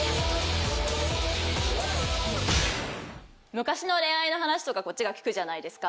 昔の恋愛の話とかこっちが聞くじゃないですか。